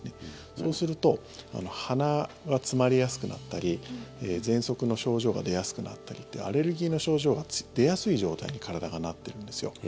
そうすると鼻が詰まりやすくなったりぜんそくの症状が出やすくなったりアレルギーの症状が出やすい状態に体がなっているんですよ。